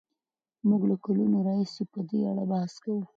موږ له کلونو راهیسې په دې اړه بحث کوو.